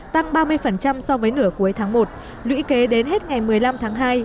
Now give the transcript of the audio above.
tăng ba mươi so với nửa cuối tháng một lũy kế đến hết ngày một mươi năm tháng hai